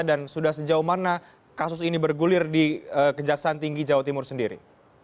dan sudah sejauh mana kasus ini bergulir di kejaksaan tinggi jawa timur sendiri